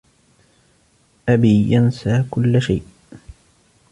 أبي ينسى كل شيء.